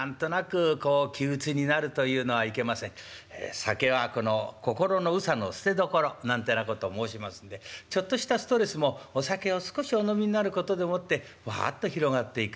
酒はこの「こころのうさの捨てどころ」なんてなことを申しますんでちょっとしたストレスもお酒を少しお飲みになることでもってわあっと広がっていく。